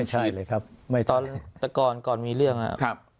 ใช่เลยครับไม่ตอนแต่ก่อนก่อนมีเรื่องครับ